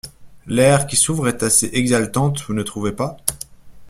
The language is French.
L’ère qui s’ouvre est assez exaltante, vous ne trouvez pas?